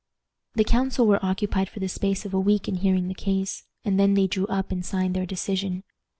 The council were occupied for the space of a week in hearing the case, and then they drew up and signed their decision.